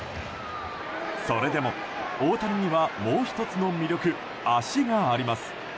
それでも、大谷にはもう１つの魅力足があります。